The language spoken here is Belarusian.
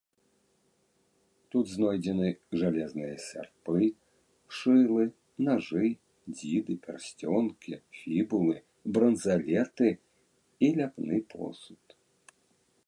Тут знойдзены жалезныя сярпы, шылы, нажы, дзіды, пярсцёнкі, фібулы, бранзалеты і ляпны посуд.